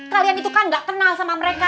kalian itu kan gak kenal sama mereka